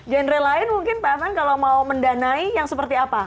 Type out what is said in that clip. genre lain mungkin pak afan kalau mau mendanai yang seperti apa